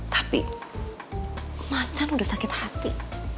tapi macan udah sakit hati